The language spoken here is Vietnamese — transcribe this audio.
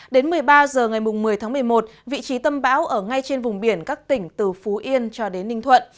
đến một mươi ba h ngày một mươi tháng một mươi một vị trí tâm bão ở ngay trên vùng biển các tỉnh từ phú yên cho đến ninh thuận